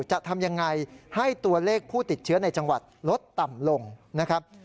จะทำยังไงให้ตัวเลขผู้ติดเชื้อในจังหวัดลดต่ำลงนะครับ